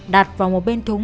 đặt vào một bên thúng